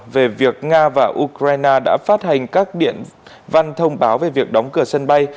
về việc nga và ukraine đã phát hành các văn thông báo về việc đóng cửa sân bay